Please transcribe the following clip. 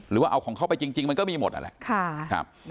หรือว่าเอาของเข้าไปจริงมันก็มีหมดนั่นแหละ